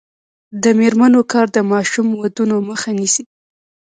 د میرمنو کار د ماشوم ودونو مخه نیسي.